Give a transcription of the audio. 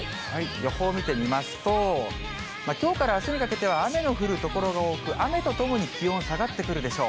予報見てみますと、きょうからあすにかけては雨の降る所が多く、雨とともに気温、下がってくるでしょう。